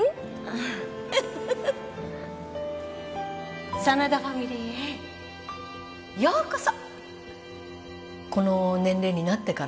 ああ真田ファミリーへようこそ！